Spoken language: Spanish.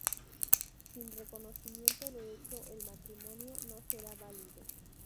Sin reconocimiento de hecho, el matrimonio no será válido.